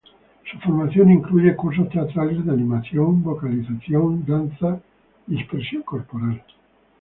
Su formación incluye cursos teatrales, de animación, vocalización, danza y expresión corporal.